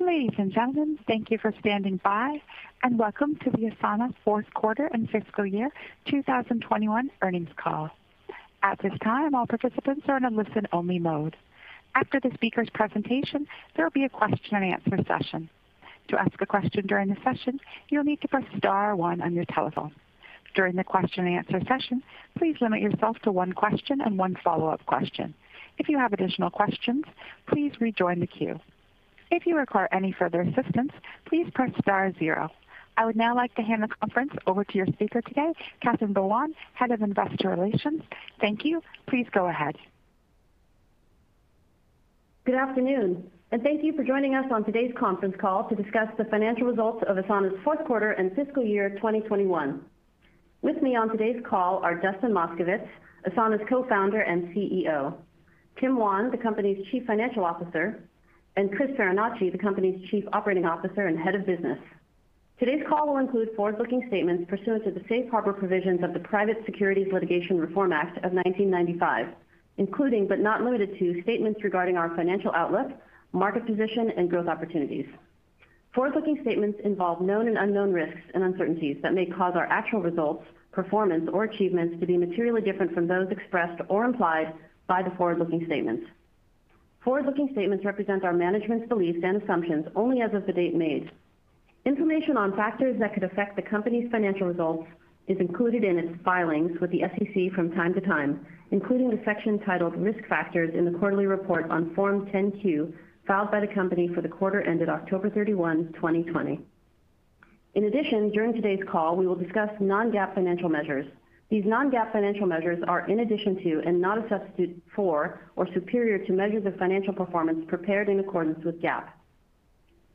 Ladies and gentlemen, thank you for standing by, and Welcome to the Asana fourth quarter and fiscal year 2021 earnings call. At this time, all participants are in listen-only mode. After the speaker's presentation, there will be a question and answer session, you'll need to press star one on your telephone. During the question and answer session, please limit yourself to one question and one follow-up question. If you have additional question, please rejoin the queue. If require any further assistance please press star zero. I would now like to hand the conference over to your speaker today, Catherine Buan, Head of Investor Relations. Thank you. Please go ahead. Good afternoon, and thank you for joining us on today's conference call to discuss the financial results of Asana's fourth quarter and fiscal year 2021. With me on today's call are Dustin Moskovitz, Asana's Co-founder and CEO, Tim Wan, the company's Chief Financial Officer, and Chris Farinacci, the company's Chief Operating Officer and Head of Business. Today's call will include forward-looking statements pursuant to the safe harbor provisions of the Private Securities Litigation Reform Act of 1995, including, but not limited to, statements regarding our financial outlook, market position, and growth opportunities. Forward-looking statements involve known and unknown risks and uncertainties that may cause our actual results, performance, or achievements to be materially different from those expressed or implied by the forward-looking statements. Forward-looking statements represent our management's beliefs and assumptions only as of the date made. Information on factors that could affect the company's financial results is included in its filings with the SEC from time to time, including the section titled Risk Factors in the quarterly report on Form 10-Q filed by the company for the quarter ended October 31, 2020. In addition, during today's call, we will discuss non-GAAP financial measures. These non-GAAP financial measures are in addition to and not a substitute for or superior to measures of financial performance prepared in accordance with GAAP.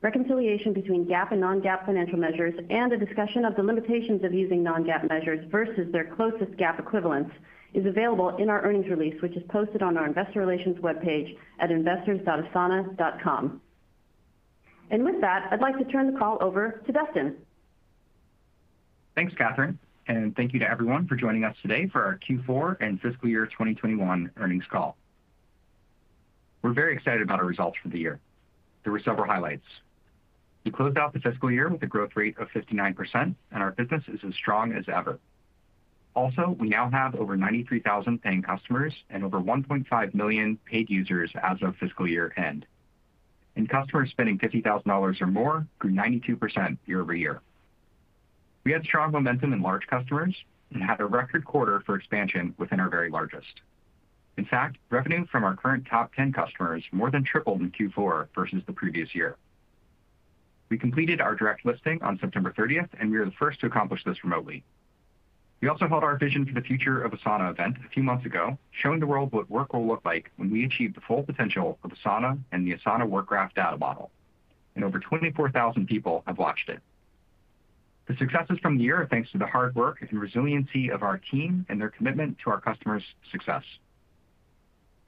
Reconciliation between GAAP and non-GAAP financial measures and a discussion of the limitations of using non-GAAP measures versus their closest GAAP equivalents is available in our earnings release, which is posted on our investor relations webpage at investors.asana.com. With that, I'd like to turn the call over to Dustin. Thanks, Catherine, and thank you to everyone for joining us today for our Q4 and fiscal year 2021 earnings call. We're very excited about our results for the year. There were several highlights. We closed out the fiscal year with a growth rate of 59%, and our business is as strong as ever. Also, we now have over 93,000 paying customers and over 1.5 million paid users as of fiscal year-end. Customers spending $50,000 or more grew 92% year-over-year. We had strong momentum in large customers and had a record quarter for expansion within our very largest. In fact, revenue from our current top 10 customers more than tripled in Q4 versus the previous year. We completed our direct listing on September 30th, and we are the first to accomplish this remotely. We also held our Vision for the Future of Asana event a few months ago, showing the world what work will look like when we achieve the full potential of Asana and the Asana Work Graph data model. Over 24,000 people have watched it. The successes from the year are thanks to the hard work and resiliency of our team and their commitment to our customers' success.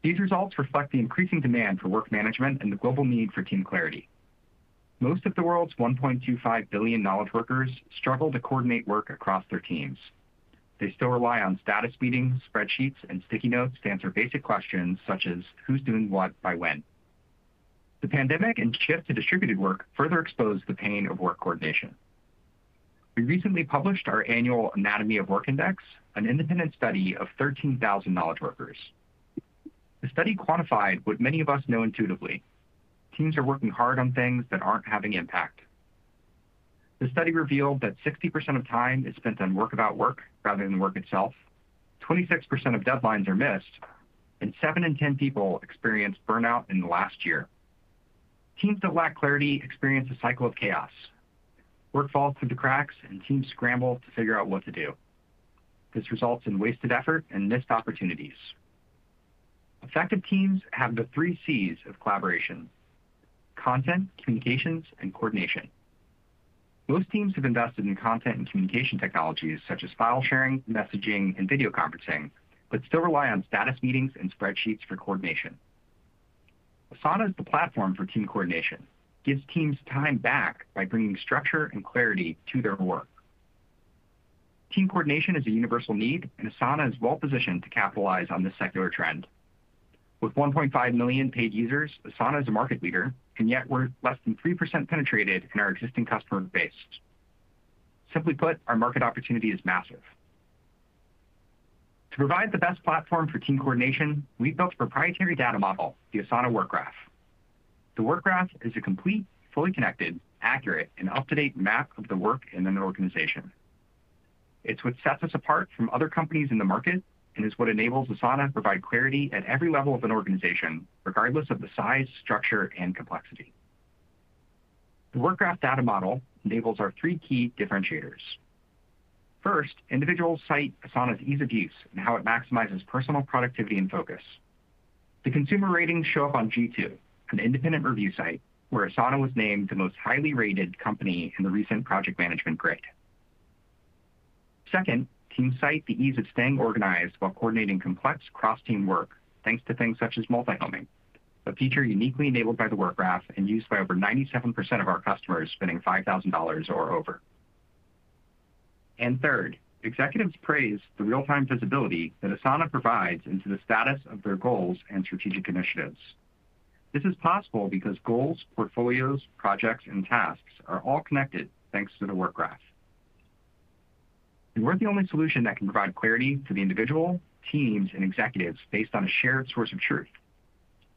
These results reflect the increasing demand for work management and the global need for team clarity. Most of the world's 1.25 billion knowledge workers struggle to coordinate work across their teams. They still rely on status meetings, spreadsheets, and sticky notes to answer basic questions such as who's doing what by when. The pandemic and shift to distributed work further exposed the pain of work coordination. We recently published our annual Anatomy of Work Index, an independent study of 13,000 knowledge workers. The study quantified what many of us know intuitively. Teams are working hard on things that aren't having impact. The study revealed that 60% of time is spent on work about work rather than work itself, 26% of deadlines are missed, and seven in 10 people experienced burnout in the last year. Teams that lack clarity experience a cycle of chaos. Work falls through the cracks, and teams scramble to figure out what to do. This results in wasted effort and missed opportunities. Effective teams have the 3 Cs of collaboration, content, communications, and coordination. Most teams have invested in content and communication technologies such as file sharing, messaging, and video conferencing, but still rely on status meetings and spreadsheets for coordination. Asana is the platform for team coordination. It gives teams time back by bringing structure and clarity to their work. Team coordination is a universal need. Asana is well-positioned to capitalize on this secular trend. With 1.5 million paid users, Asana is a market leader, yet we're less than 3% penetrated in our existing customer base. Simply put, our market opportunity is massive. To provide the best platform for team coordination, we built a proprietary data model, the Asana Work Graph. The Work Graph is a complete, fully connected, accurate, and up-to-date map of the work in an organization. It's what sets us apart from other companies in the market and is what enables Asana to provide clarity at every level of an organization, regardless of the size, structure, and complexity. The Work Graph data model enables our three key differentiators. First, individuals cite Asana's ease of use and how it maximizes personal productivity and focus. The consumer ratings show up on G2, an independent review site, where Asana was named the most highly rated company in the recent project management grid. Second, teams cite the ease of staying organized while coordinating complex cross-team work thanks to things such as multi-homing, a feature uniquely enabled by the Work Graph and used by over 97% of our customers spending $5,000 or over. Third, executives praise the real-time visibility that Asana provides into the status of their goals and strategic initiatives. This is possible because goals, Portfolios, projects, and tasks are all connected thanks to the Work Graph. We're the only solution that can provide clarity to the individual, teams, and executives based on a shared source of truth.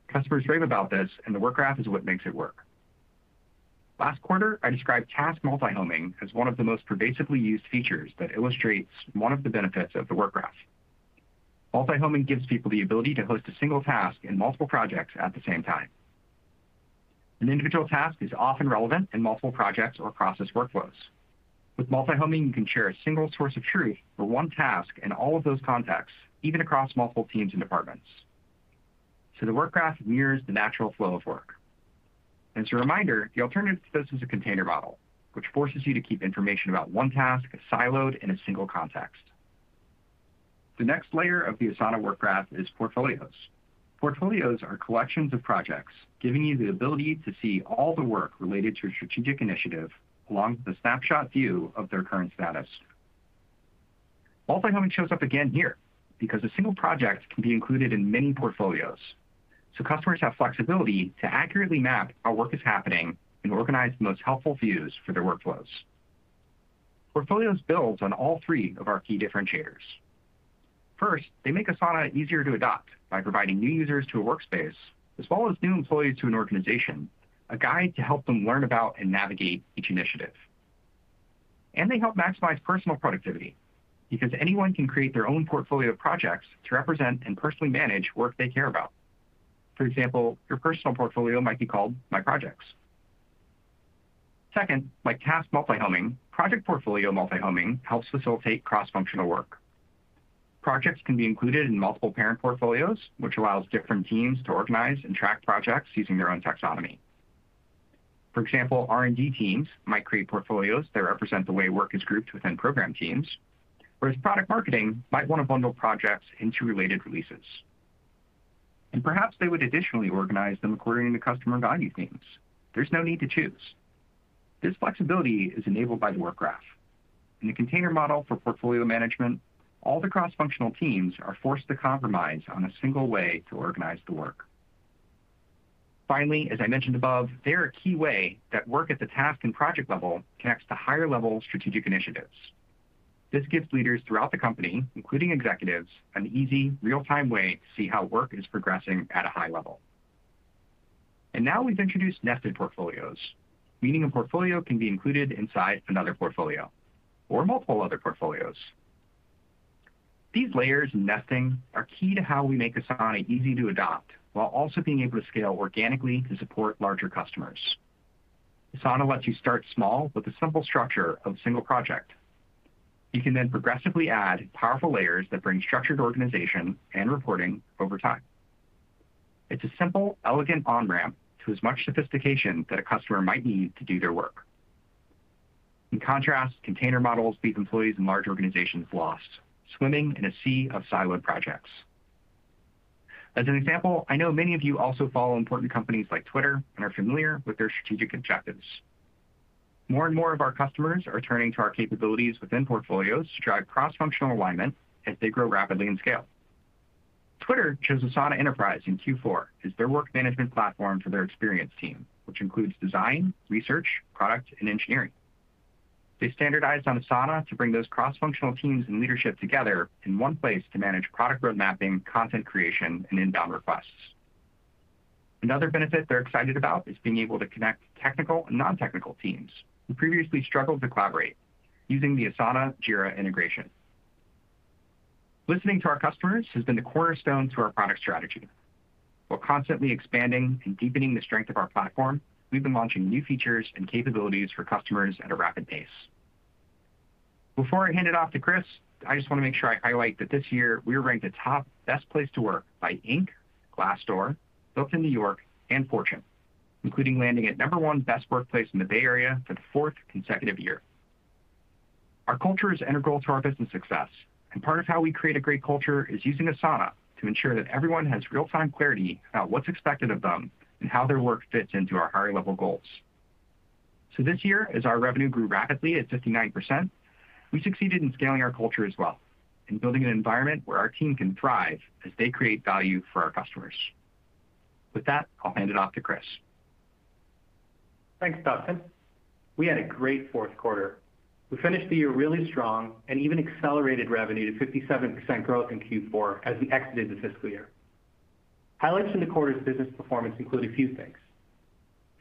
Customers rave about this, and the Work Graph is what makes it work. Last quarter, I described task multi-homing as one of the most pervasively used features that illustrates one of the benefits of the Work Graph. Multi-homing gives people the ability to host a single task in multiple projects at the same time. An individual task is often relevant in multiple projects or process workflows. With multi-homing, you can share a single source of truth for one task in all of those contexts, even across multiple teams and departments. The Work Graph mirrors the natural flow of work. As a reminder, the alternative to this is a container model, which forces you to keep information about one task siloed in a single context. The next layer of the Asana Work Graph is Portfolios. Portfolios are collections of projects, giving you the ability to see all the work related to a strategic initiative, along with a snapshot view of their current status. Multi-homing shows up again here because a single project can be included in many Portfolios, so customers have flexibility to accurately map how work is happening and organize the most helpful views for their workflows. Portfolios builds on all three of our key differentiators. First, they make Asana easier to adopt by providing new users to a workspace, as well as new employees to an organization, a guide to help them learn about and navigate each initiative. They help maximize personal productivity because anyone can create their own Portfolio of projects to represent and personally manage work they care about. For example, your personal Portfolio might be called My Projects. Second, like task multi-homing, project Portfolio multi-homing helps facilitate cross-functional work. Projects can be included in multiple parent Portfolios, which allows different teams to organize and track projects using their own taxonomy. For example, R&D teams might create Portfolios that represent the way work is grouped within program teams, whereas product marketing might want to bundle projects into related releases. Perhaps they would additionally organize them according to customer value themes. There's no need to choose. This flexibility is enabled by the Work Graph. In a container model for portfolio management, all the cross-functional teams are forced to compromise on a single way to organize the work. Finally, as I mentioned above, they're a key way that work at the task and project level connects to higher-level strategic initiatives. This gives leaders throughout the company, including executives, an easy, real-time way to see how work is progressing at a high level. Now we've introduced Nested Portfolios, meaning a Portfolio can be included inside another Portfolio or multiple other Portfolios. These layers and nesting are key to how we make Asana easy to adopt while also being able to scale organically to support larger customers. Asana lets you start small with a simple structure of a single project. You can then progressively add powerful layers that bring structured organization and reporting over time. It's a simple, elegant on-ramp to as much sophistication that a customer might need to do their work. In contrast, container models leave employees in large organizations lost, swimming in a sea of siloed projects. As an example, I know many of you also follow important companies like Twitter and are familiar with their strategic objectives. More and more of our customers are turning to our capabilities within Portfolios to drive cross-functional alignment as they grow rapidly in scale. Twitter chose Asana Enterprise in Q4 as their work management platform for their experience team, which includes design, research, product, and engineering. They standardized on Asana to bring those cross-functional teams and leadership together in one place to manage product road mapping, content creation, and inbound requests. Another benefit they're excited about is being able to connect technical and non-technical teams who previously struggled to collaborate using the Asana Jira integration. Listening to our customers has been the cornerstone to our product strategy. While constantly expanding and deepening the strength of our platform, we've been launching new features and capabilities for customers at a rapid pace. Before I hand it off to Chris, I just want to make sure I highlight that this year, we were ranked a top best place to work by Inc, Glassdoor, Built In New York, and Fortune, including landing at number 1 best workplace in the Bay Area for the fourth consecutive year. Our culture is integral to our business success, and part of how we create a great culture is using Asana to ensure that everyone has real-time clarity about what's expected of them and how their work fits into our higher-level goals. This year, as our revenue grew rapidly at 59%, we succeeded in scaling our culture as well and building an environment where our team can thrive as they create value for our customers. With that, I'll hand it off to Chris. Thanks, Dustin. We had a great fourth quarter. We finished the year really strong and even accelerated revenue to 57% growth in Q4 as we exited the fiscal year. Highlights from the quarter's business performance include a few things.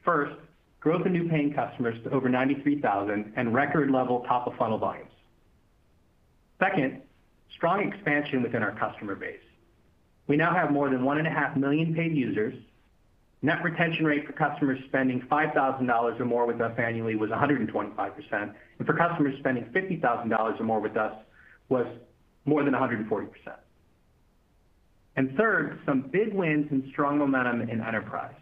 First, growth in new paying customers to over 93,000 and record level top-of-funnel volumes. Second, strong expansion within our customer base. We now have more than 1.5 million paid users. Net retention rate for customers spending $5,000 or more with us annually was 125%, and for customers spending $50,000 or more with us was more than 140%. Third, some big wins and strong momentum in enterprise.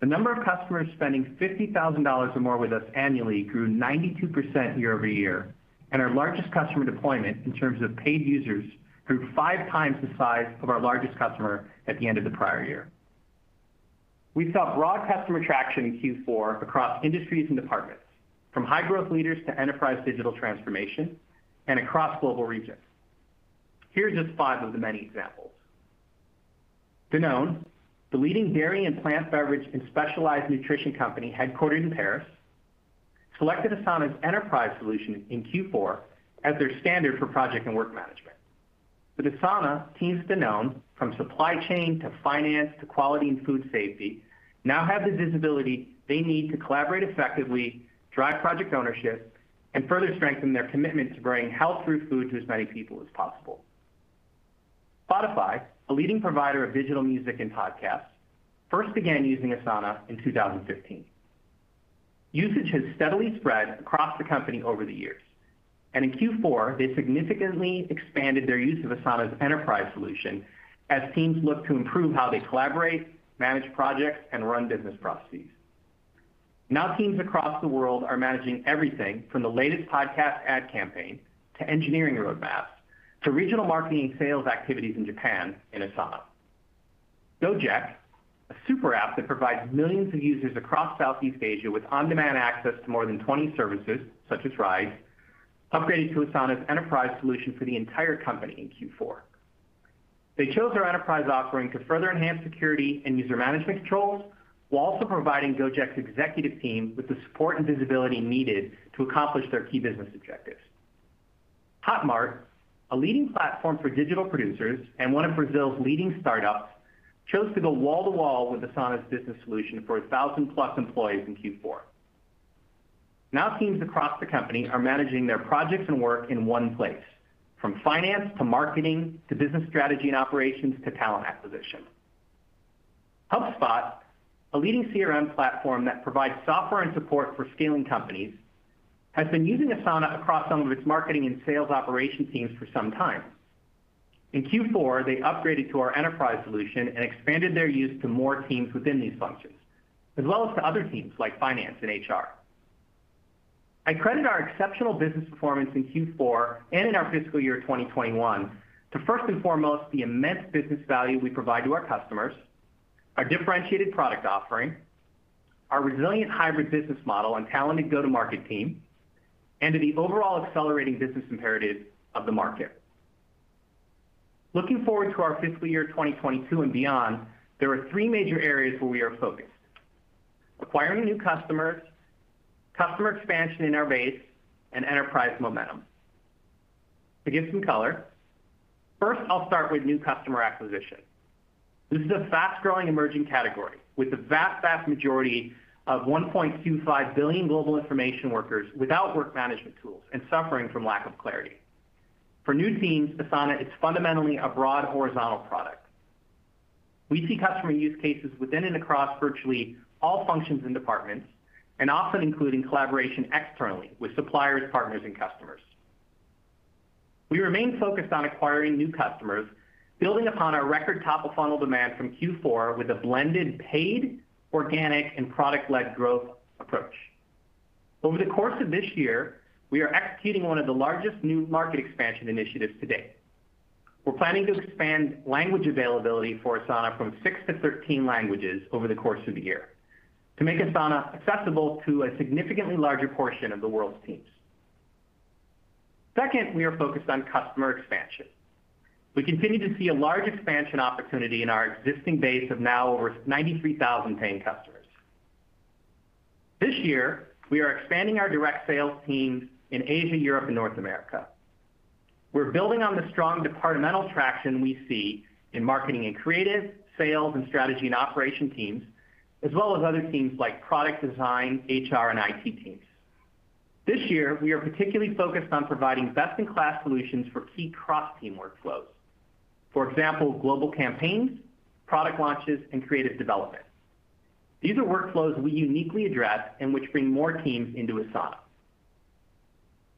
The number of customers spending $50,000 or more with us annually grew 92% year-over-year, and our largest customer deployment in terms of paid users grew five times the size of our largest customer at the end of the prior year. We saw broad customer traction in Q4 across industries and departments, from high-growth leaders to enterprise digital transformation, and across global regions. Here are just five of the many examples. Danone, the leading dairy and plant beverage and specialized nutrition company headquartered in Paris, selected Asana Enterprise in Q4 as their standard for project and work management. With Asana, teams at Danone, from supply chain to finance to quality and food safety, now have the visibility they need to collaborate effectively, drive project ownership, and further strengthen their commitment to bringing health through food to as many people as possible. Spotify, a leading provider of digital music and podcasts, first began using Asana in 2015. Usage has steadily spread across the company over the years, and in Q4, they significantly expanded their use of Asana's Enterprise solution as teams look to improve how they collaborate, manage projects, and run business processes. Now, teams across the world are managing everything from the latest podcast ad campaign to engineering roadmaps to regional marketing sales activities in Japan in Asana. Gojek, a super app that provides millions of users across Southeast Asia with on-demand access to more than 20 services, such as rides, upgraded to Asana's Enterprise solution for the entire company in Q4. They chose our enterprise offering to further enhance security and user management controls, while also providing Gojek's executive team with the support and visibility needed to accomplish their key business objectives. Hotmart, a leading platform for digital producers and one of Brazil's leading startups, chose to go wall-to-wall with Asana's business solution for 1,000+ employees in Q4. Now, teams across the company are managing their projects and work in one place, from finance to marketing, to business strategy and operations, to talent acquisition. HubSpot, a leading CRM platform that provides software and support for scaling companies, has been using Asana across some of its marketing and sales operation teams for some time. In Q4, they upgraded to our enterprise solution and expanded their use to more teams within these functions, as well as to other teams like finance and HR. I credit our exceptional business performance in Q4 and in our FY 2021 to first and foremost the immense business value we provide to our customers, our differentiated product offering, our resilient hybrid business model and talented go-to-market team, and to the overall accelerating business imperative of the market. Looking forward to our FY 2022 and beyond, there are three major areas where we are focused: acquiring new customers, customer expansion in our base, and enterprise momentum. To give some color, first I'll start with new customer acquisition. This is a fast-growing, emerging category with the vast majority of 1.25 billion global information workers without work management tools and suffering from lack of clarity. For new teams, Asana is fundamentally a broad horizontal product. We see customer use cases within and across virtually all functions and departments, and often including collaboration externally with suppliers, partners, and customers. We remain focused on acquiring new customers, building upon our record top-of-funnel demand from Q4 with a blended paid, organic, and product-led growth approach. Over the course of this year, we are executing one of the largest new market expansion initiatives to date. We're planning to expand language availability for Asana from six to 13 languages over the course of the year to make Asana accessible to a significantly larger portion of the world's teams. Second, we are focused on customer expansion. We continue to see a large expansion opportunity in our existing base of now over 93,000 paying customers. This year, we are expanding our direct sales teams in Asia, Europe, and North America. We're building on the strong departmental traction we see in marketing and creative, sales, and strategy and operation teams, as well as other teams like product design, HR, and IT teams. This year, we are particularly focused on providing best-in-class solutions for key cross-team workflows. For example, global campaigns, product launches, and creative development. These are workflows we uniquely address and which bring more teams into Asana.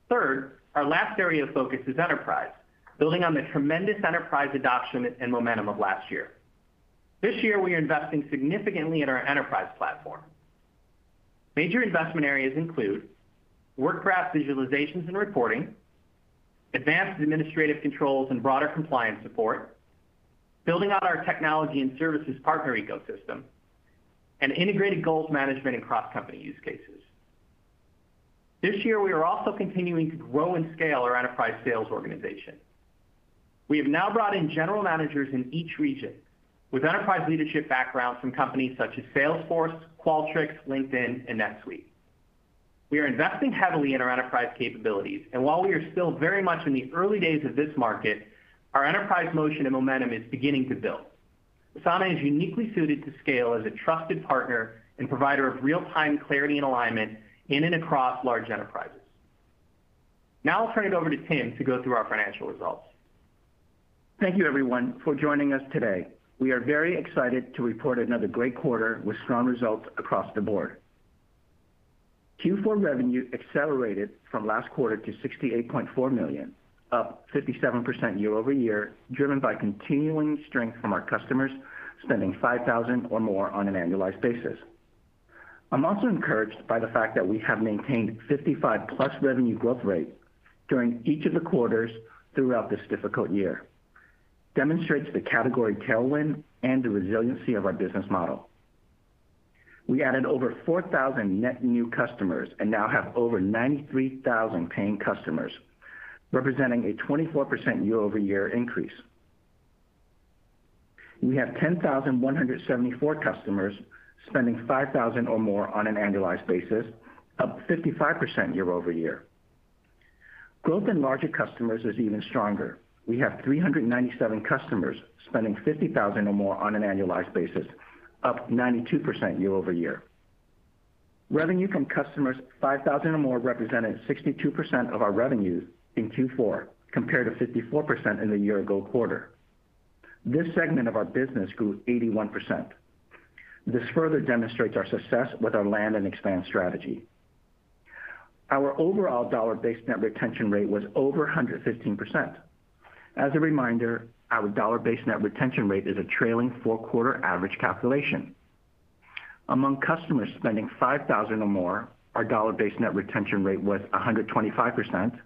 Third, our last area of focus is enterprise, building on the tremendous enterprise adoption and momentum of last year. This year, we are investing significantly in our enterprise platform. Major investment areas include Work Graph visualizations and reporting, advanced administrative controls and broader compliance support, building out our technology and services partner ecosystem, and integrated goals management and cross-company use cases. This year, we are also continuing to grow and scale our enterprise sales organization. We have now brought in general managers in each region with enterprise leadership backgrounds from companies such as Salesforce, Qualtrics, LinkedIn, and NetSuite. We are investing heavily in our enterprise capabilities, and while we are still very much in the early days of this market, our enterprise motion and momentum is beginning to build. Asana is uniquely suited to scale as a trusted partner and provider of real-time clarity and alignment in and across large enterprises. Now I'll turn it over to Tim to go through our financial results. Thank you, everyone, for joining us today. We are very excited to report another great quarter with strong results across the board. Q4 revenue accelerated from last quarter to $68.4 million, up 57% year-over-year, driven by continuing strength from our customers spending $5,000 or more on an annualized basis. I'm also encouraged by the fact that we have maintained 55%+ revenue growth rate during each of the quarters throughout this difficult year. This demonstrates the category tailwind and the resiliency of our business model. We added over 4,000 net new customers and now have over 93,000 paying customers, representing a 24% year-over-year increase. We have 10,174 customers spending $5,000 or more on an annualized basis, up 55% year-over-year. Growth in larger customers is even stronger. We have 397 customers spending $50,000 or more on an annualized basis, up 92% year-over-year. Revenue from customers $5,000 or more represented 62% of our revenues in Q4, compared to 54% in the year-ago quarter. This segment of our business grew 81%. This further demonstrates our success with our land and expand strategy. Our overall dollar-based net retention rate was over 115%. As a reminder, our dollar-based net retention rate is a trailing four-quarter average calculation. Among customers spending $5,000 or more, our dollar-based net retention rate was 125%,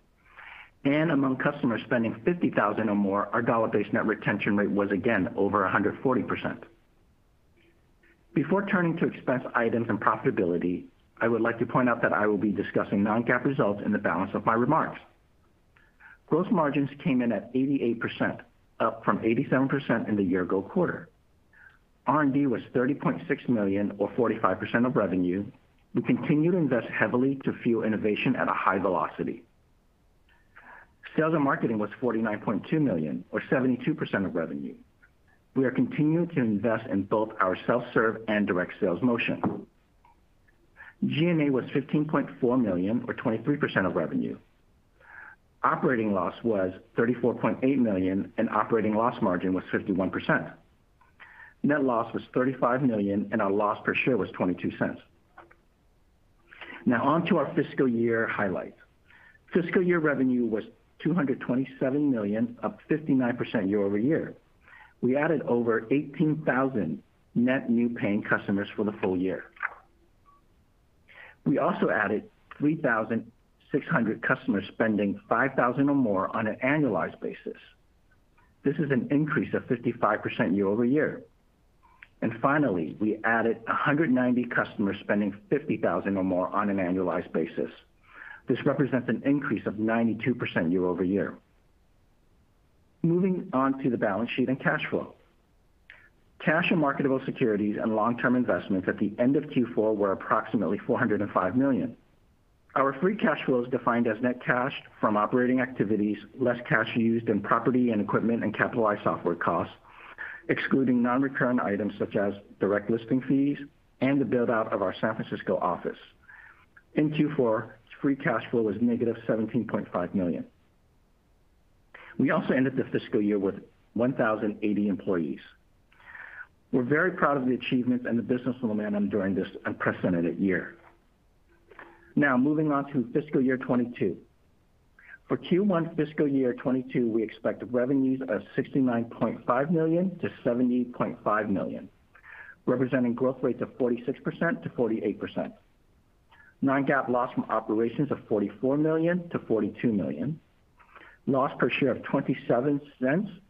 and among customers spending $50,000 or more, our dollar-based net retention rate was, again, over 140%. Before turning to expense items and profitability, I would like to point out that I will be discussing non-GAAP results in the balance of my remarks. Gross margins came in at 88%, up from 87% in the year-ago quarter. R&D was $30.6 million, or 45% of revenue. We continue to invest heavily to fuel innovation at a high velocity. Sales and marketing was $49.2 million, or 72% of revenue. We are continuing to invest in both our self-serve and direct sales motion. G&A was $15.4 million, or 23% of revenue. Operating loss was $34.8 million, and operating loss margin was 51%. Net loss was $35 million, and our loss per share was $0.22. On to our fiscal year highlights. Fiscal year revenue was $227 million, up 59% year-over-year. We added over 18,000 net new paying customers for the full year. We also added 3,600 customers spending $5,000 or more on an annualized basis. This is an increase of 55% year-over-year. Finally, we added 190 customers spending $50,000 or more on an annualized basis. This represents an increase of 92% year-over-year. Moving on to the balance sheet and cash flow. Cash and marketable securities and long-term investments at the end of Q4 were approximately $405 million. Our free cash flow is defined as net cash from operating activities, less cash used in property and equipment and capitalized software costs, excluding non-recurring items such as direct listing fees and the build-out of our San Francisco office. In Q4, free cash flow was negative $17.5 million. We also ended the fiscal year with 1,080 employees. We're very proud of the achievements and the business momentum during this unprecedented year. Moving on to fiscal year 2022. For Q1 fiscal year 2022, we expect revenues of $69.5 million-$70.5 million, representing growth rates of 46%-48%. Non-GAAP loss from operations of $44 million-$42 million. Loss per share of $0.27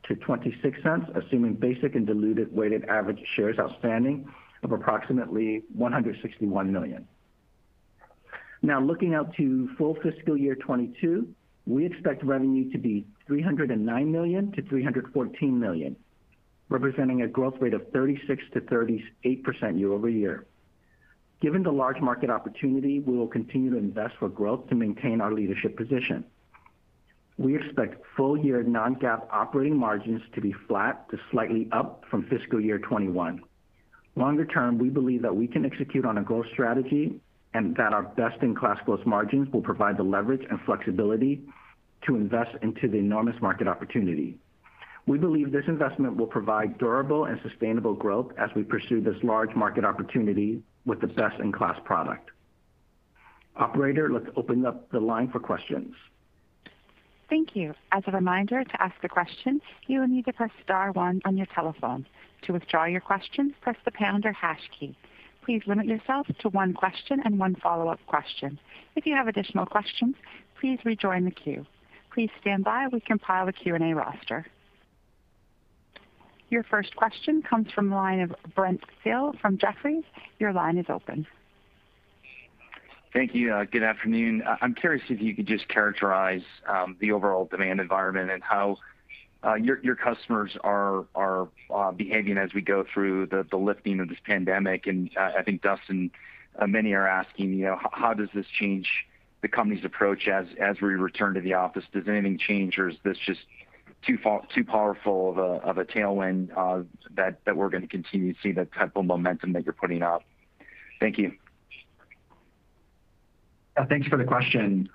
to $0.26, assuming basic and diluted weighted average shares outstanding of approximately 161 million. Now, looking out to full fiscal year 2022, we expect revenue to be $309 million-$314 million, representing a growth rate of 36%-38% year-over-year. Given the large market opportunity, we will continue to invest for growth to maintain our leadership position. We expect full-year non-GAAP operating margins to be flat to slightly up from fiscal year 2021. Longer term, we believe that we can execute on a growth strategy and that our best-in-class gross margins will provide the leverage and flexibility to invest into the enormous market opportunity. We believe this investment will provide durable and sustainable growth as we pursue this large market opportunity with a best-in-class product. Operator, let's open up the line for questions. Thank you. As a reminder, to ask a question, you will need to press star one on your telephone. To withdraw your question, press the pound or hash key. Please limit yourself to one question and one follow-up question. If you have additional question, please rejoin the queue. Please stand-by, we compile Q&A roster. Your first question comes from the line of Brent Thill from Jefferies. Your line is open. Thank you. Good afternoon. I'm curious if you could just characterize the overall demand environment and how your customers are behaving as we go through the lifting of this pandemic. I think, Dustin, many are asking how does this change the company's approach as we return to the office? Does anything change, or is this just too powerful of a tailwind that we're going to continue to see the type of momentum that you're putting up? Thank you. Thanks for the question.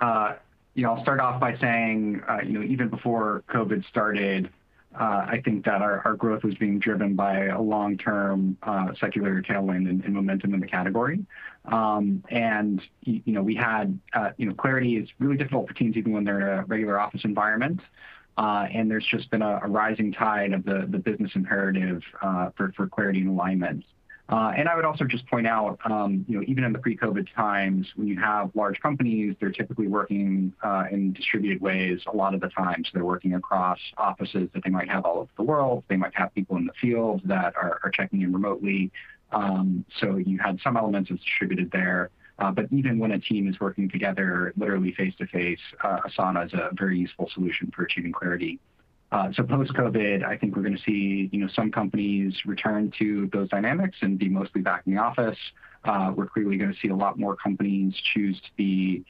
I'll start off by saying even before COVID started I think that our growth was being driven by a long-term, secular tailwind and momentum in the category. Clarity is really difficult for teams even when they're in a regular office environment. There's just been a rising tide of the business imperative for clarity and alignment. I would also just point out, even in the pre-COVID times, when you have large companies, they're typically working in distributed ways a lot of the time. They're working across offices that they might have all over the world. They might have people in the field that are checking in remotely. You had some elements of distributed there. Even when a team is working together, literally face-to-face, Asana is a very useful solution for achieving clarity. Post-COVID, I think we're going to see some companies return to those dynamics and be mostly back in the office. We're clearly going to see a lot more companies choose to be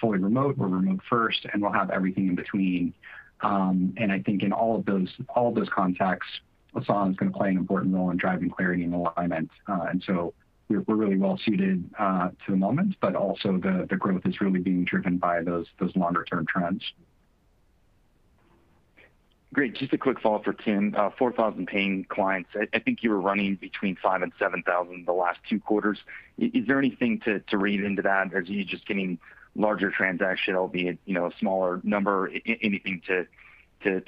fully remote or remote first, and we'll have everything in between. I think in all of those contexts, Asana is going to play an important role in driving clarity and alignment. We're really well-suited to the moment, but also the growth is really being driven by those longer-term trends. Great. Just a quick follow for Tim. 4,000 paying clients. I think you were running between 5,000 and 7,000 the last two quarters. Is there anything to read into that? Are you just getting larger transactional, [be it], a smaller number? Anything to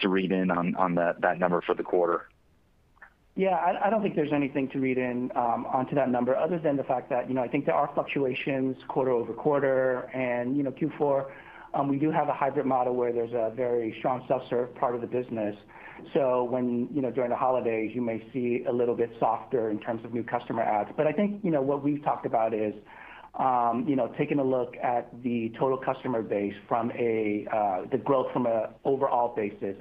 read in on that number for the quarter? I don't think there's anything to read in onto that number other than the fact that, I think there are fluctuations quarter-over-quarter. Q4, we do have a hybrid model where there's a very strong self-serve part of the business. During the holidays, you may see a little bit softer in terms of new customer adds. I think, what we've talked about is, taking a look at the total customer base, the growth from an overall basis.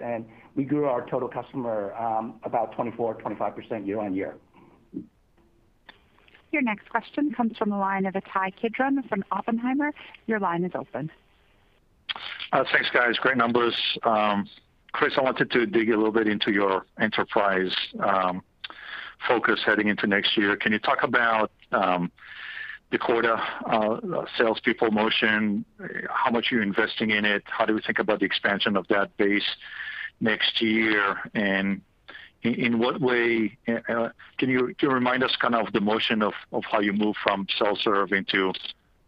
We grew our total customer about 24%, 25% year-over-year. Your next question comes from the line of Ittai Kidron from Oppenheimer. Thanks, guys. Great numbers. Chris, I wanted to dig a little bit into your enterprise focus heading into next year. Can you talk about the quota salespeople motion, how much you're investing in it? How do we think about the expansion of that base next year? Can you remind us kind of the motion of how you move from self-serve into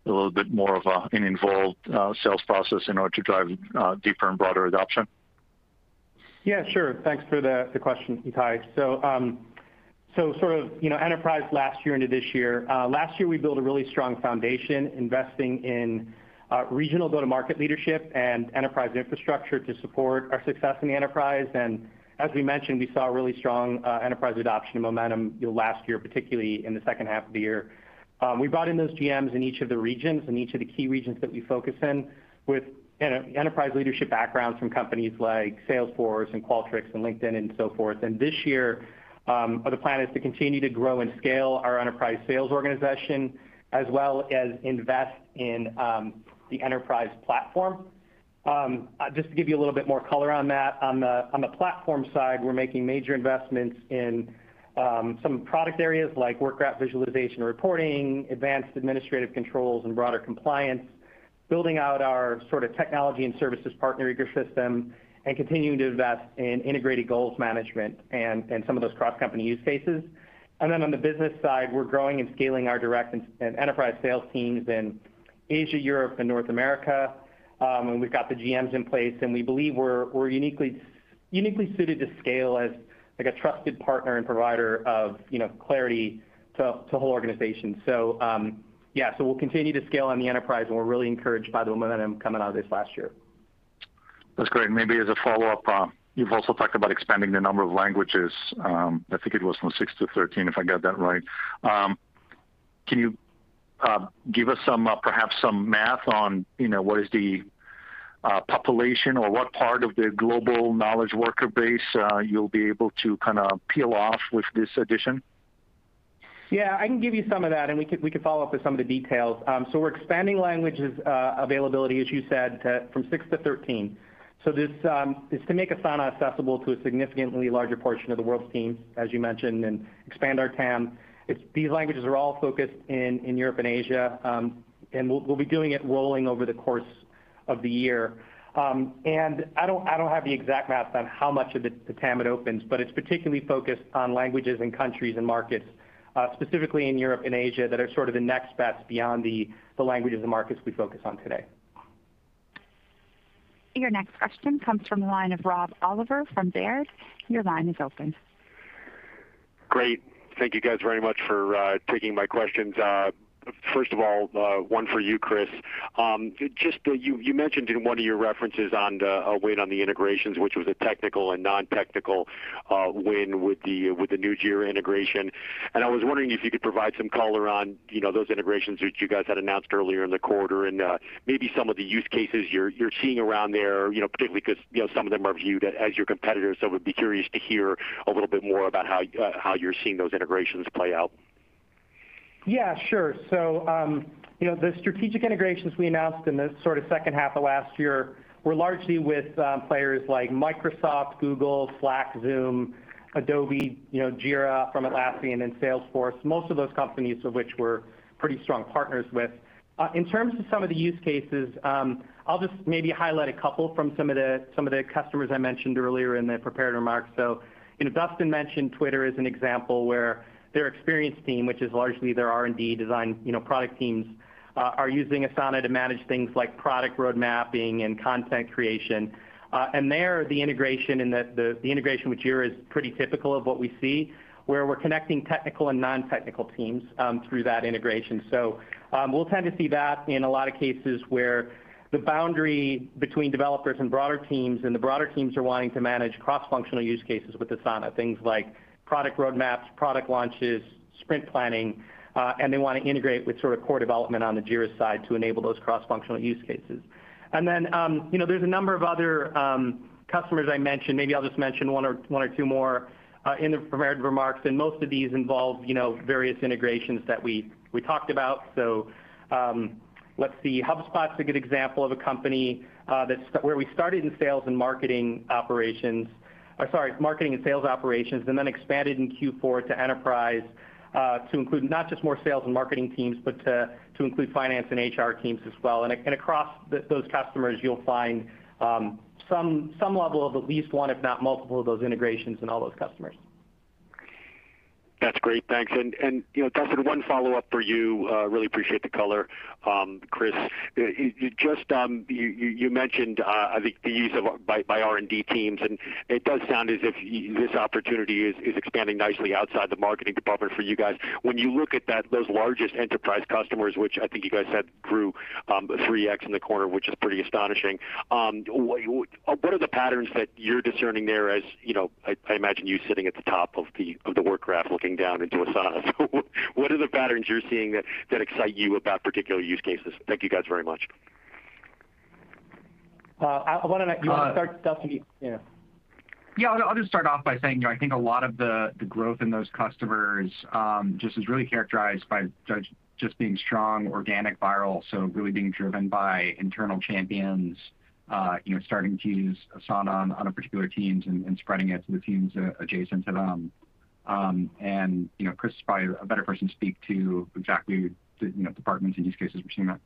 a little bit more of an involved sales process in order to drive deeper and broader adoption? Yeah, sure. Thanks for the question, Ittai. Enterprise last year into this year. Last year, we built a really strong foundation investing in regional go-to-market leadership and enterprise infrastructure to support our success in the enterprise. As we mentioned, we saw a really strong enterprise adoption momentum last year, particularly in the second half of the year. We brought in those GMs in each of the regions, in each of the key regions that we focus in with enterprise leadership backgrounds from companies like Salesforce and Qualtrics and LinkedIn and so forth. This year, the plan is to continue to grow and scale our enterprise sales organization as well as invest in the enterprise platform. Just to give you a little bit more color on that, on the platform side, we're making major investments in some product areas like Work Graph visualization reporting, advanced administrative controls, and broader compliance, building out our sort of technology and services partner ecosystem, and continuing to invest in integrated goals management and some of those cross-company use cases. On the business side, we're growing and scaling our direct and enterprise sales teams in Asia, Europe, and North America. We've got the GMs in place, and we believe we're uniquely suited to scale as a trusted partner and provider of clarity to whole organizations. Yeah, we'll continue to scale on the enterprise, and we're really encouraged by the momentum coming out of this last year. That's great. As a follow-up, you've also talked about expanding the number of languages. I think it was from six to 13, if I got that right. Can you give us perhaps some math on what is the population or what part of the global knowledge worker base you'll be able to kind of peel off with this addition? Yeah, I can give you some of that, and we could follow up with some of the details. This is to make Asana accessible to a significantly larger portion of the world's teams, as you mentioned, and expand our TAM. We're expanding languages availability, as you said, from six to 13. These languages are all focused in Europe and Asia. We'll be doing it rolling over the course of the year. I don't have the exact math on how much of the TAM it opens, but it's particularly focused on languages in countries and markets, specifically in Europe and Asia, that are sort of the next best beyond the languages and markets we focus on today. Your next question comes from the line of Rob Oliver from Baird. Your line is open. Great. Thank you guys very much for taking my questions. First of all, one for you, Chris. You mentioned in one of your references on the weight on the integrations, which was a technical and non-technical win with the Jira integration. I was wondering if you could provide some color on those integrations that you guys had announced earlier in the quarter and maybe some of the use cases you're seeing around there, particularly because some of them are viewed as your competitors. Would be curious to hear a little bit more about how you're seeing those integrations play out. Yeah, sure. The strategic integrations we announced in the sort of second half of last year were largely with players like Microsoft, Google, Slack, Zoom, Adobe, Jira from Atlassian and Salesforce. Most of those companies of which we're pretty strong partners with. In terms of some of the use cases, I'll just maybe highlight a couple from some of the customers I mentioned earlier in the prepared remarks. Dustin mentioned Twitter as an example, where their experience team, which is largely their R&D design, product teams, are using Asana to manage things like product road mapping and content creation. There, the integration with Jira is pretty typical of what we see, where we're connecting technical and non-technical teams through that integration. We'll tend to see that in a lot of cases where the boundary between developers and broader teams, and the broader teams are wanting to manage cross-functional use cases with Asana. Things like product roadmaps, product launches, sprint planning, and they want to integrate with sort of core development on the Jira side to enable those cross-functional use cases. There's a number of other customers I mentioned. Maybe I'll just mention one or two more in the prepared remarks, and most of these involve various integrations that we talked about. Let's see, HubSpot's a good example of a company, where we started in marketing and sales operations, and then expanded in Q4 to enterprise, to include not just more sales and marketing teams, but to include finance and HR teams as well. Across those customers, you'll find some level of at least one, if not multiple, of those integrations in all those customers. That's great. Thanks. Dustin, one follow-up for you. Really appreciate the color, Chris. You mentioned, I think, the use by R&D teams. It does sound as if this opportunity is expanding nicely outside the marketing department for you guys. When you look at those largest enterprise customers, which I think you guys said grew 3X in the quarter, which is pretty astonishing, what are the patterns that you're discerning there as, I imagine you sitting at the top of the Work Graph looking down into Asana, what are the patterns you're seeing that excite you about particular use cases? Thank you guys very much. You want to start, Dustin? Yeah. Yeah, I'll just start off by saying, I think a lot of the growth in those customers, is really characterized by just being strong organic viral. Really being driven by internal champions starting to use Asana on particular teams and spreading it to the teams adjacent to them. Chris is probably a better person to speak to exactly the departments and use cases we're seeing that.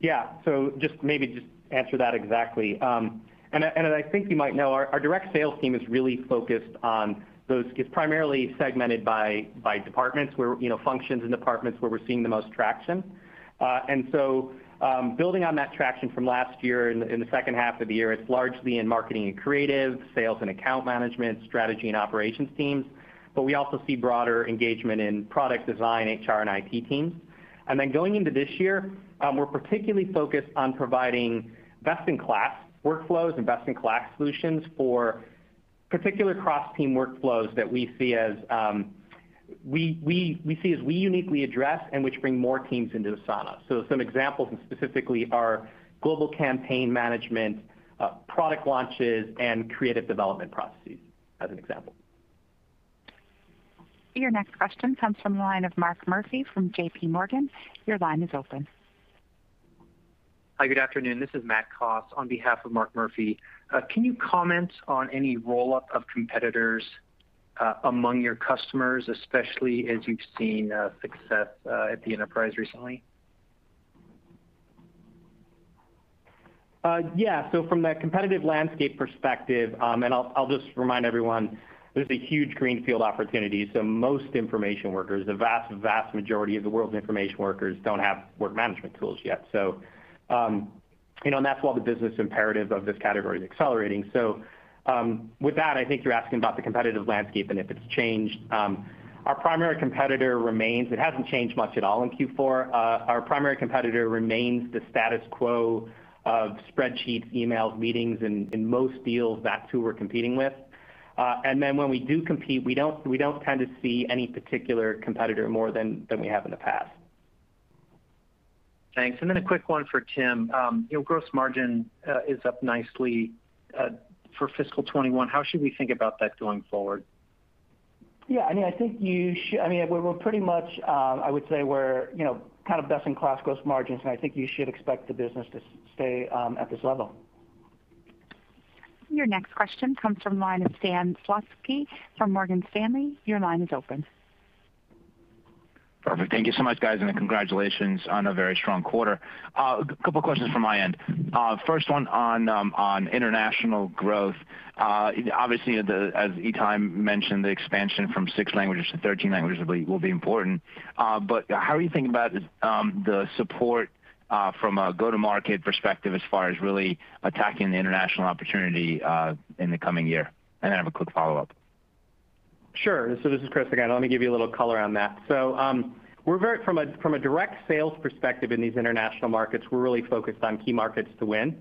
Yeah. Maybe just answer that exactly. As I think you might know, our direct sales team is really focused on. It's primarily segmented by functions and departments where we're seeing the most traction. Building on that traction from last year, in the second half of the year, it's largely in marketing and creative, sales and account management, strategy and operations teams. We also see broader engagement in product design, HR, and IT teams. Going into this year, we're particularly focused on providing best-in-class workflows and best-in-class solutions for particular cross-team workflows that we see as we uniquely address and which bring more teams into Asana. Some examples specifically are global campaign management, product launches, and creative development processes, as an example. Your next question comes from the line of Mark Murphy from JPMorgan. Your line is open. Hi, good afternoon. This is Matt Coss on behalf of Mark Murphy. Can you comment on any roll-up of competitors, among your customers, especially as you've seen success at the enterprise recently? Yeah. From the competitive landscape perspective, and I'll just remind everyone, there's a huge greenfield opportunity. Most information workers, the vast majority of the world's information workers, don't have work management tools yet. That's why the business imperative of this category is accelerating. With that, I think you're asking about the competitive landscape and if it's changed. Our primary competitor remains. It hasn't changed much at all in Q4. Our primary competitor remains the status quo of spreadsheets, emails, meetings. In most deals, that's who we're competing with. When we do compete, we don't tend to see any particular competitor more than we have in the past. Thanks. A quick one for Tim. Gross margin is up nicely, for fiscal 2021. How should we think about that going forward? Yeah, I think we're pretty much, I would say we're kind of best in class gross margins, and I think you should expect the business to stay at this level. Your next question comes from the line of Stan Zlotsky from Morgan Stanley. Your line is open. Perfect. Thank you so much, guys, and congratulations on a very strong quarter. A couple questions from my end. First one on international growth. Obviously as Ittai mentioned, the expansion from six languages to 13 languages will be important. How are you thinking about the support from a go-to-market perspective as far as really attacking the international opportunity in the coming year? Then I have a quick follow-up. Sure. This is Chris again. Let me give you a little color on that. From a direct sales perspective in these international markets, we're really focused on key markets to win.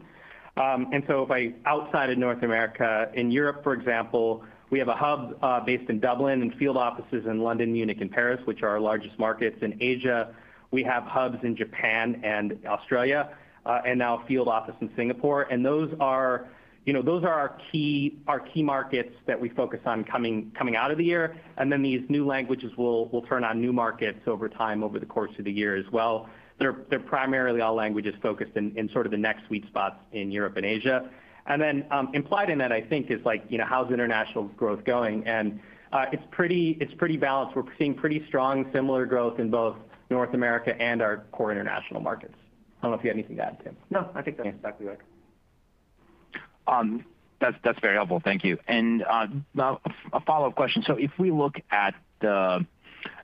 If I outside of North America, in Europe, for example, we have a hub based in Dublin and field offices in London, Munich, and Paris, which are our largest markets. In Asia, we have hubs in Japan and Australia, and now a field office in Singapore. Those are our key markets that we focus on coming out of the year. These new languages will turn on new markets over time, over the course of the year as well. They're primarily all languages focused in sort of the next sweet spots in Europe and Asia. Implied in that, I think is, how's international growth going? It's pretty balanced. We're seeing pretty strong similar growth in both North America and our core international markets. I don't know if you have anything to add, Tim. No, I think that's exactly right. That's very helpful. Thank you. A follow-up question. If we look at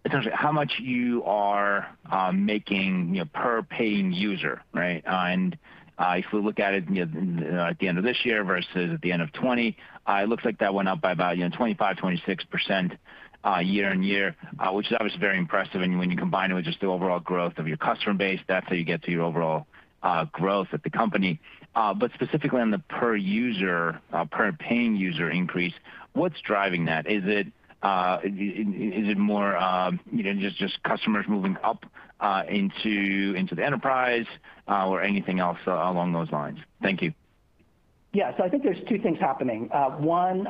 potentially how much you are making per paying user, right? If we look at it at the end of this year versus at the end of 2020, it looks like that went up by about 25%, 26% year on year, which that was very impressive. When you combine it with just the overall growth of your customer base, that's how you get to your overall growth at the company. Specifically on the per paying user increase, what's driving that? Is it more just customers moving up into the enterprise or anything else along those lines? Thank you. Yeah. I think there's two things happening. One,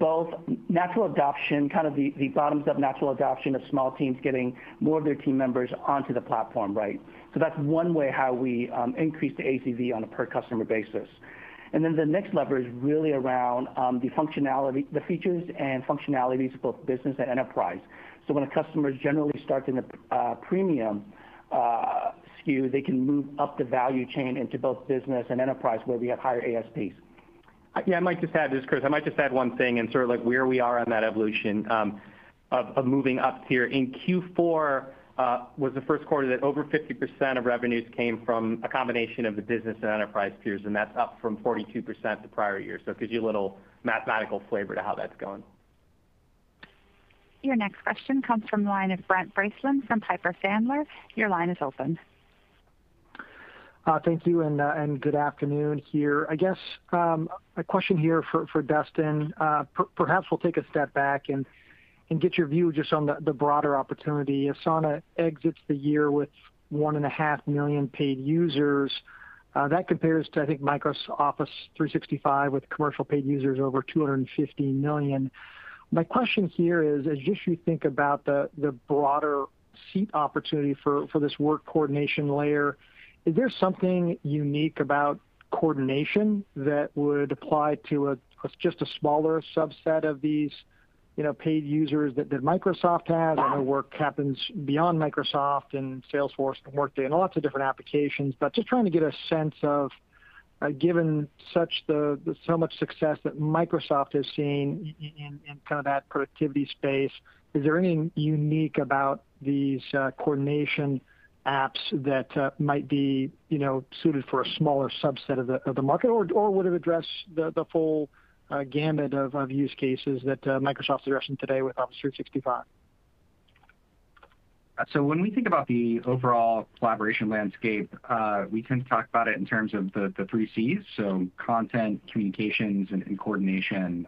both natural adoption, kind of the bottoms-up natural adoption of small teams getting more of their team members onto the platform, right? That's one way how we increase the ACV on a per customer basis. The next lever is really around the features and functionalities of both Business and Enterprise. When a customer is generally starting a Premium SKU, they can move up the value chain into both Business and Enterprise where we have higher ASPs. Yeah, this is Chris. I might just add one thing and sort of where we are on that evolution of moving up tier. In Q4, was the first quarter that over 50% of revenues came from a combination of the business and enterprise tiers, and that's up from 42% the prior year. It gives you a little mathematical flavor to how that's going. Your next question comes from the line of Brent Bracelin from Piper Sandler. Your line is open. Thank you. Good afternoon here. I guess, a question here for Dustin. Perhaps we'll take a step back and get your view just on the broader opportunity. Asana exits the year with 1.5 million paid users. That compares to, I think, Microsoft Office 365 with commercial paid users over 250 million. My question here is, as you think about the broader seat opportunity for this work coordination layer, is there something unique about coordination that would apply to just a smaller subset of these paid users that Microsoft has? I know work happens beyond Microsoft and Salesforce and Workday in lots of different applications. Just trying to get a sense of, given so much success that Microsoft has seen in kind of that productivity space, is there anything unique about these coordination apps that might be suited for a smaller subset of the market or would it address the full gamut of use cases that Microsoft's addressing today with Office 365? When we think about the overall collaboration landscape, we tend to talk about it in terms of the 3 Cs, so content, communications, and coordination.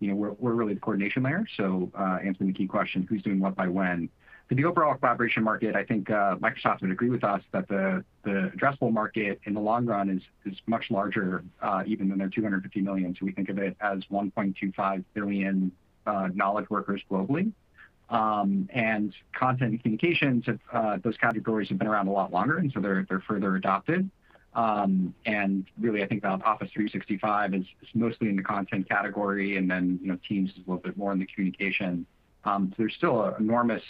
We're really the coordination layer, so answering the key question, who's doing what by when? For the overall collaboration market, I think Microsoft would agree with us that the addressable market in the long run is much larger, even than their 250 million. We think of it as 1.25 billion knowledge workers globally. Content and communications, those categories have been around a lot longer, and so they're further adopted. Really, I think Office 365 is mostly in the content category, and then Teams is a little bit more in the communication. There's still an enormous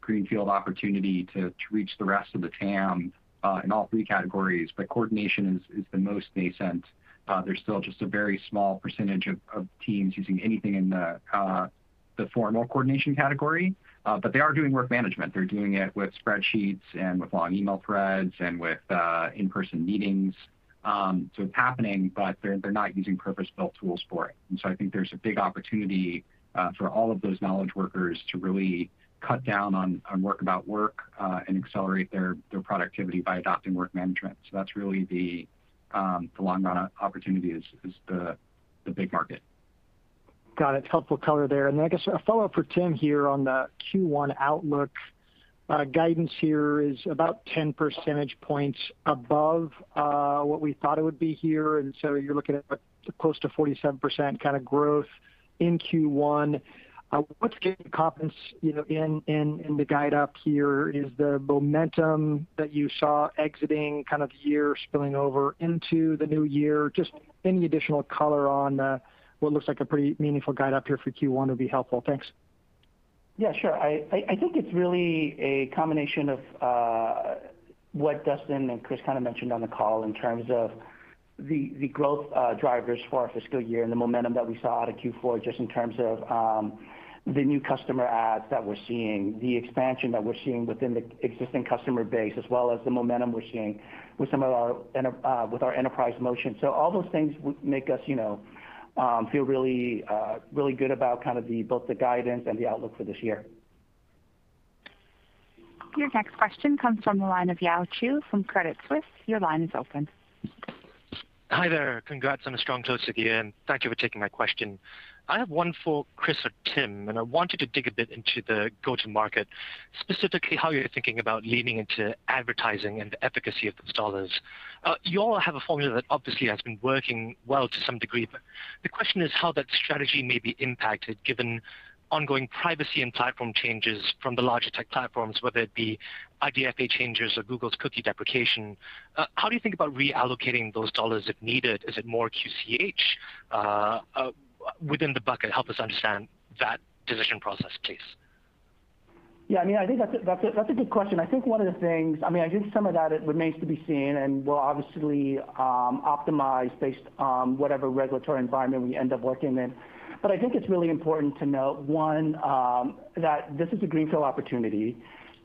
greenfield opportunity to reach the rest of the TAM in all three categories. Coordination is the most nascent. There's still just a very small percentage of teams using anything in the formal coordination category, but they are doing work management. They're doing it with spreadsheets and with long email threads and with in-person meetings. It's happening, but they're not using purpose-built tools for it. I think there's a big opportunity for all of those knowledge workers to really cut down on work about work, and accelerate their productivity by adopting work management. That's really the long-run opportunity is the big market. Got it. Helpful color there. I guess a follow-up for Tim here on the Q1 outlook. Guidance here is about 10 percentage points above what we thought it would be here, you're looking at close to 47% kind of growth in Q1. What's giving you confidence in the guide up here? Is the momentum that you saw exiting kind of the year spilling over into the new year? Just any additional color on what looks like a pretty meaningful guide up here for Q1 would be helpful. Thanks. Yeah, sure. I think it's really a combination of what Dustin and Chris kind of mentioned on the call in terms of the growth drivers for our fiscal year and the momentum that we saw out of Q4 just in terms of the new customer adds that we're seeing, the expansion that we're seeing within the existing customer base, as well as the momentum we're seeing with our enterprise motion. All those things make us feel really good about both the guidance and the outlook for this year. Your next question comes from the line of Yao Xu from Credit Suisse. Your line is open. Hi there. Congrats on the strong close to the year, and thank you for taking my question. I have one for Chris or Tim, and I want you to dig a bit into the go-to-market, specifically how you're thinking about leaning into advertising and the efficacy of those dollars. You all have a formula that obviously has been working well to some degree, but the question is how that strategy may be impacted given ongoing privacy and platform changes from the larger tech platforms, whether it be IDFA changes or Google's cookie deprecation. How do you think about reallocating those dollars if needed? Is it more [UCH] within the bucket? Help us understand that decision process, please. Yeah, I think that's a good question. I think some of that remains to be seen, and we'll obviously optimize based on whatever regulatory environment we end up working in. I think it's really important to note, one, that this is a greenfield opportunity.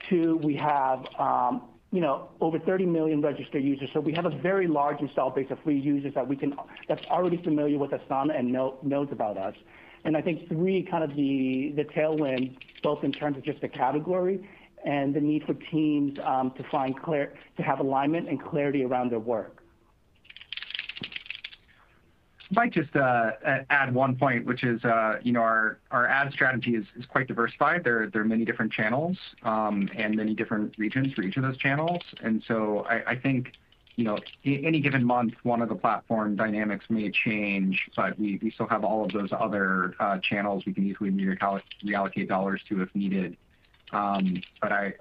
Two, we have over 30 million registered users, so we have a very large install base of free users that's already familiar with Asana and knows about us. I think, three, the tailwind both in terms of just the category and the need for teams to have alignment and clarity around their work. If I could just add one point, which is our ad strategy is quite diversified. There are many different channels, and many different regions for each of those channels. I think any given month, one of the platform dynamics may change, but we still have all of those other channels we can easily reallocate dollars to if needed. I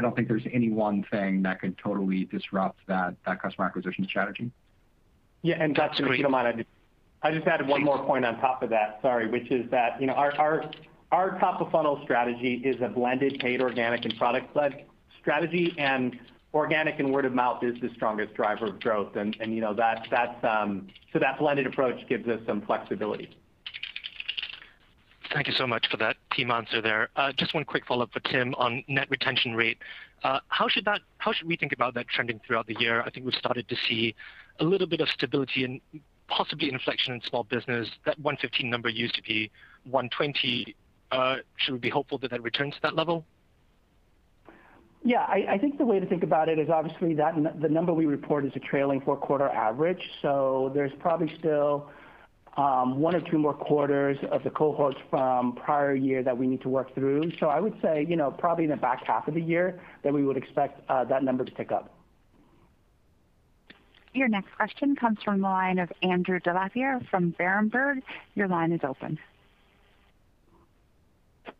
don't think there's any one thing that could totally disrupt that customer acquisition strategy. Yeah. That's-If you don't mind, I just add one more point on top of that, sorry, which is that our top-of-funnel strategy is a blended paid, organic, and product-led strategy. Organic and word-of-mouth is the strongest driver of growth. That blended approach gives us some flexibility. Thank you so much for that team answer there. Just one quick follow-up for Tim on net retention rate. How should we think about that trending throughout the year? I think we've started to see a little bit of stability and possibly inflection in small business. That 115 number used to be 120. Should we be hopeful that that returns to that level? Yeah. I think the way to think about it is obviously the number we report is a trailing four-quarter average, so there's probably still one or two more quarters of the cohorts from prior year that we need to work through. I would say, probably in the back half of the year that we would expect that number to tick up. Your next question comes from the line of Andrew DeGasperi from Berenberg. Your line is open.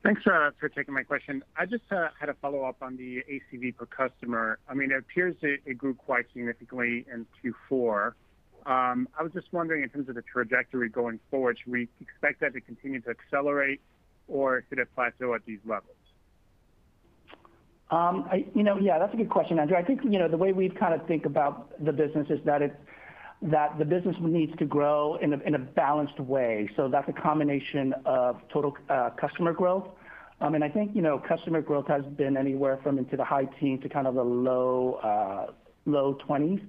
Thanks for taking my question. I just had a follow-up on the ACV per customer. It appears it grew quite significantly in Q4. I was just wondering in terms of the trajectory going forward, should we expect that to continue to accelerate or could it plateau at these levels? That's a good question, Andrew. I think the way we think about the business is that the business needs to grow in a balanced way. That's a combination of total customer growth, and I think customer growth has been anywhere from into the high teens to the low 20s.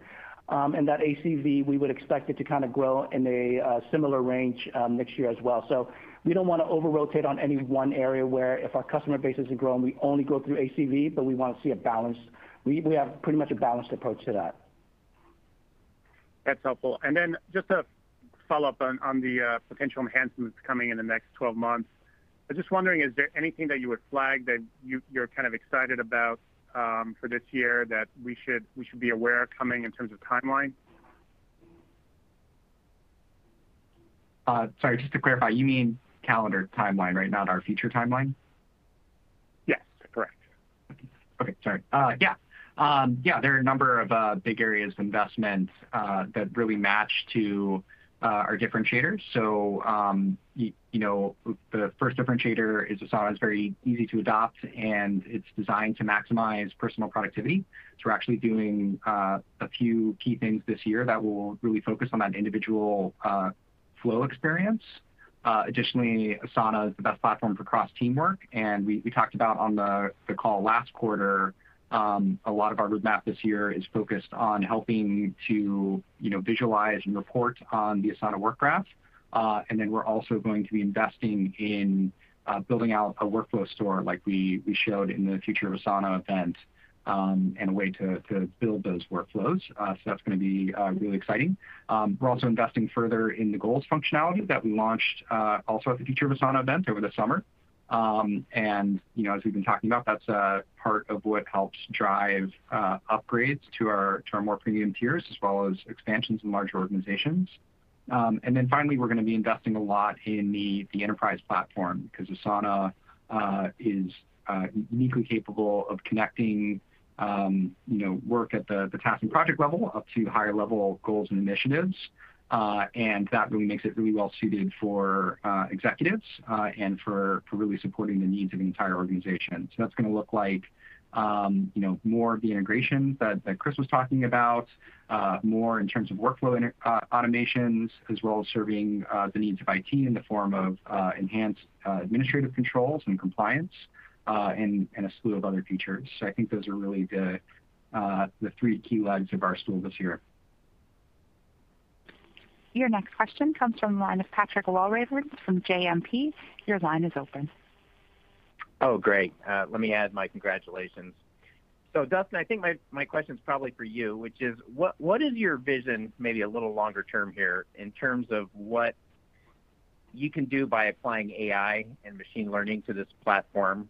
That ACV, we would expect it to grow in a similar range next year as well. We don't want to over-rotate on any one area where if our customer base isn't growing, we only grow through ACV, but we want to see a balance. We have pretty much a balanced approach to that. That's helpful. Then just a follow-up on the potential enhancements coming in the next 12 months. I'm just wondering, is there anything that you would flag that you're excited about for this year that we should be aware of coming in terms of timeline? Sorry, just to clarify, you mean calendar timeline, right? Not our future timeline? Yes, correct. Okay. Sorry. Yeah. There are a number of big areas of investment that really match to our differentiators. The first differentiator is Asana is very easy to adopt, and it's designed to maximize personal productivity. We're actually doing a few key things this year that will really focus on that individual flow experience. Additionally, Asana is the best platform for cross-teamwork, and we talked about on the call last quarter, a lot of our roadmap this year is focused on helping to visualize and report on the Asana Work Graph. We're also going to be investing in building out a workflow store like we showed in the Future of Asana event, and a way to build those workflows. That's going to be really exciting. We're also investing further in the goals functionality that we launched also at the Future of Asana event over the summer. As we've been talking about, that's a part of what helps drive upgrades to our more premium tiers, as well as expansions in larger organizations. Finally, we're going to be investing a lot in the enterprise platform, because Asana is uniquely capable of connecting work at the task and project level up to higher-level goals and initiatives. That really makes it really well-suited for executives, and for really supporting the needs of the entire organization. That's going to look like more of the integrations that Chris was talking about, more in terms of workflow automations, as well as serving the needs of IT in the form of enhanced administrative controls and compliance, and a slew of other features. I think those are really the three key legs of our stool this year. Your next question comes from the line of Patrick Walravens from JMP. Your line is open. Oh, great. Let me add my congratulations. Dustin, I think my question's probably for you, which is, what is your vision, maybe a little longer term here, in terms of what you can do by applying AI and machine learning to this platform?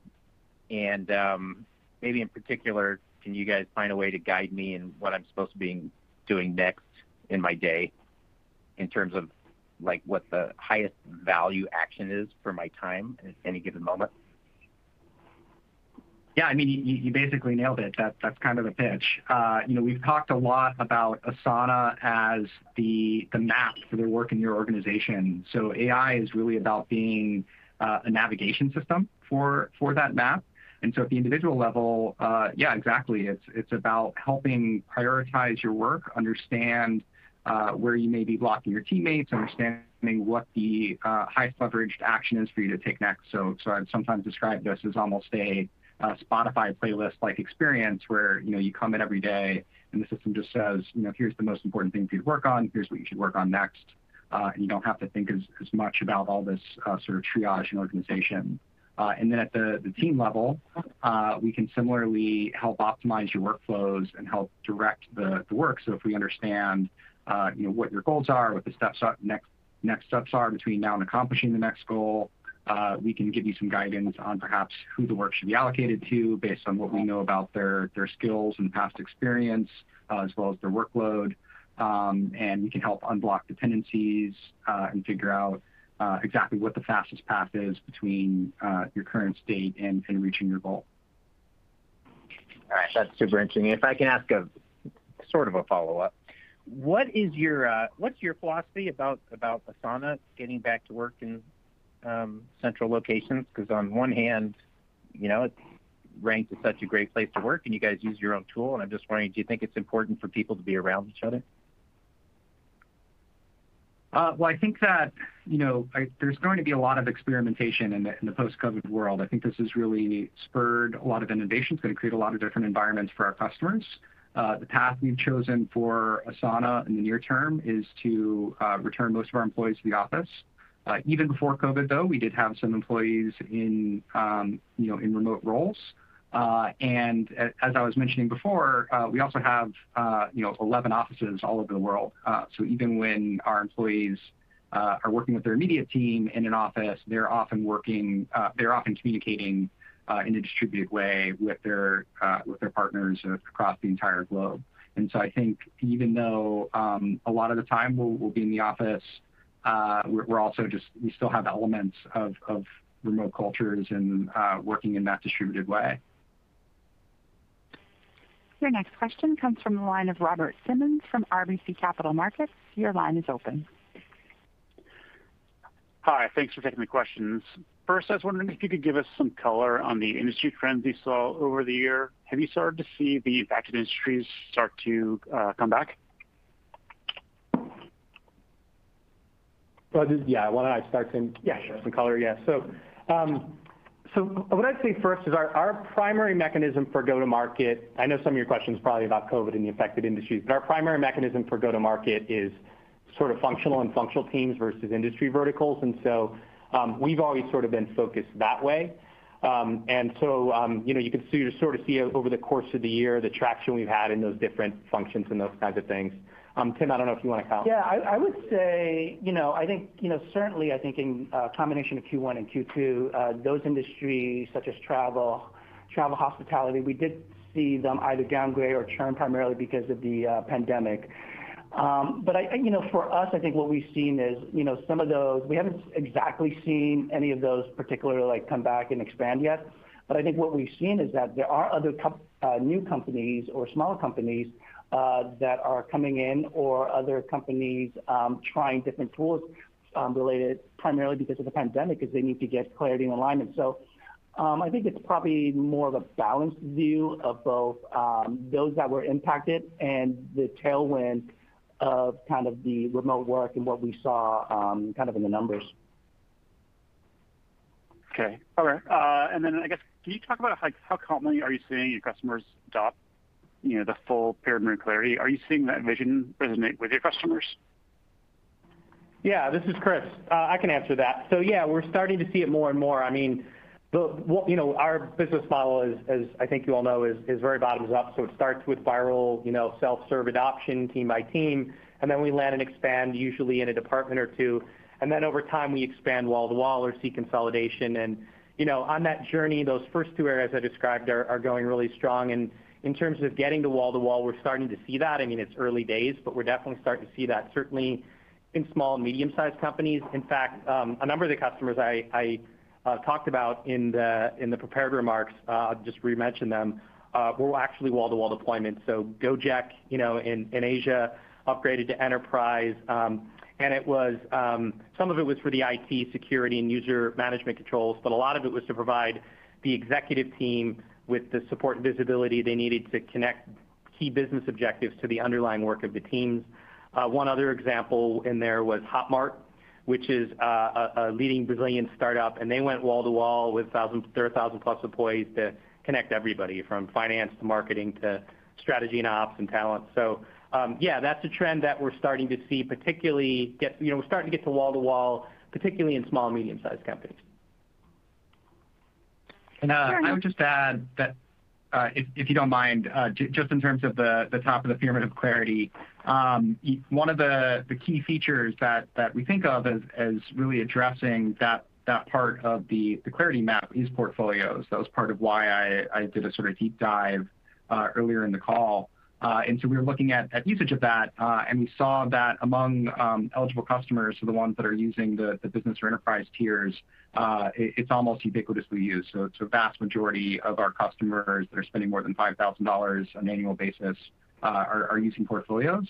Maybe in particular, can you guys find a way to guide me in what I'm supposed to be doing next in my day, in terms of what the highest-value action is for my time at any given moment? Yeah, you basically nailed it. That's kind of the pitch. We've talked a lot about Asana as the map for the work in your organization. AI is really about being a navigation system for that map. At the individual level, yeah, exactly. It's about helping prioritize your work, understand where you may be blocking your teammates, understanding what the highest-leveraged action is for you to take next. I'd sometimes describe this as almost a Spotify playlist-like experience where you come in every day and the system just says, "Here's the most important thing for you to work on. Here's what you should work on next." You don't have to think as much about all this sort of triage and organization. At the team level, we can similarly help optimize your workflows and help direct the work. If we understand what your goals are, what the next steps are between now and accomplishing the next goal, we can give you some guidance on perhaps who the work should be allocated to based on what we know about their skills and past experience, as well as their workload. We can help unblock dependencies, and figure out exactly what the fastest path is between your current state and reaching your goal. All right. That's super interesting. If I can ask a sort of a follow-up? What's your philosophy about Asana getting back to work in central locations? On one hand, it ranks as such a great place to work, and you guys use your own tool, and I'm just wondering, do you think it's important for people to be around each other? Well, I think that there's going to be a lot of experimentation in the post-COVID world. I think this has really spurred a lot of innovation. It's going to create a lot of different environments for our customers. The path we've chosen for Asana in the near term is to return most of our employees to the office. Even before COVID, though, we did have some employees in remote roles. As I was mentioning before, we also have 11 offices all over the world. Even when our employees are working with their immediate team in an office, they're often communicating in a distributed way with their partners across the entire globe. I think even though a lot of the time we'll be in the office, we still have elements of remote cultures and working in that distributed way. Your next question comes from the line of Robert Simmons from RBC Capital Markets. Your line is open. Hi. Thanks for taking the questions. First, I was wondering if you could give us some color on the industry trends you saw over the year. Have you started to see the affected industries start to come back? Well, yeah. Why don't I start. Yeah, sure. Some color? Yeah. What I'd say first is our primary mechanism for go-to-market, I know some of your question's probably about COVID and the affected industries, but our primary mechanism for go-to-market is sort of functional and functional teams versus industry verticals. We've always sort of been focused that way. You can sort of see over the course of the year the traction we've had in those different functions and those kinds of things. Tim, I don't know if you want to comment. Yeah, I would say, certainly, I think in combination of Q1 and Q2, those industries such as travel, hospitality, we did see them either downgrade or churn primarily because of the pandemic. For us, I think what we've seen is, some of those, we haven't exactly seen any of those particularly come back and expand yet. I think what we've seen is that there are other new companies or smaller companies that are coming in, or other companies trying different tools, related primarily because of the pandemic, because they need to get clarity and alignment. I think it's probably more of a balanced view of both those that were impacted and the tailwind of kind of the remote work and what we saw kind of in the numbers. Okay. All right. I guess, can you talk about how commonly are you seeing your customers adopt the full Pyramid of Clarity? Are you seeing that vision resonate with your customers? Yeah. This is Chris. I can answer that. Yeah, we're starting to see it more and more. Our business model, as I think you all know, is very bottoms up. It starts with viral self-serve adoption, team by team. We land and expand, usually in a department or two. Over time, we expand wall to wall or see consolidation. On that journey, those first two areas I described are going really strong. In terms of getting to wall to wall, we're starting to see that. It's early days. We're definitely starting to see that, certainly in small and medium-sized companies. In fact, a number of the customers I talked about in the prepared remarks, I'll just re-mention them, were actually wall-to-wall deployments. Gojek, in Asia, upgraded to Enterprise. Some of it was for the IT security and user management controls, but a lot of it was to provide the executive team with the support and visibility they needed to connect key business objectives to the underlying work of the teams. One other example in there was Hotmart, which is a leading Brazilian startup, and they went wall to wall with their 1,000-plus employees to connect everybody, from finance to marketing to strategy and ops and talent. Yeah, that's a trend that we're starting to see. We're starting to get to wall to wall, particularly in small and medium-sized companies. I would just add that, if you don't mind, just in terms of the top of the Pyramid of Clarity, one of the key features that we think of as really addressing that part of the Clarity map is Portfolios. That was part of why I did a sort of deep dive earlier in the call. We were looking at usage of that, and we saw that among eligible customers, so the ones that are using the Business or Enterprise tiers, it's almost ubiquitously used. The vast majority of our customers that are spending more than $5,000 on an annual basis are using Portfolios.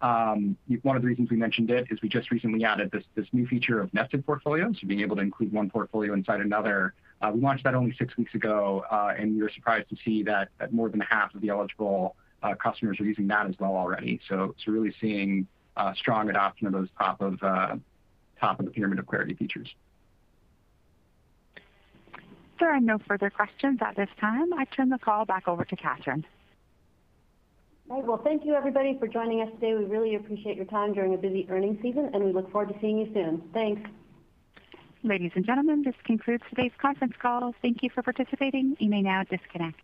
One of the reasons we mentioned it is we just recently added this new feature of nested portfolios, so being able to include one portfolio inside another. We launched that only six weeks ago, and we were surprised to see that more than half of the eligible customers are using that as well already. Really seeing strong adoption of those top-of-the-Pyramid of Clarity features. There are no further questions at this time. I turn the call back over to Catherine. All right. Well, thank you everybody for joining us today. We really appreciate your time during a busy earnings season, and we look forward to seeing you soon. Thanks. Ladies and gentlemen, this concludes today's conference call. Thank you for participating. You may now disconnect.